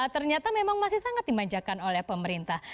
ternyata memang masih sangat dimanjakan oleh pemerintah